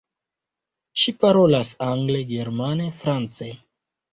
Ŝi parolas angle, germane, france.